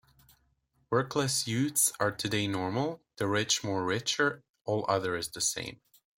"Workless youths are today normal, the rich more richer, all other is the same".